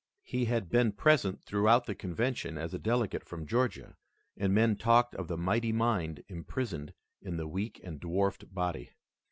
He had been present throughout the convention as a delegate from Georgia, and men talked of the mighty mind imprisoned in the weak and dwarfed body.